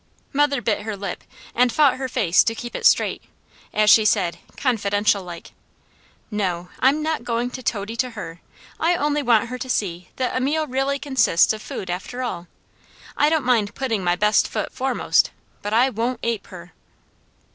Mother bit her lip, and fought her face to keep it straight, as she said confidential like: "No, I'm not going to toady to her. I only want her to see that a meal really consists of food after all; I don't mind putting my best foot foremost, but I won't ape her."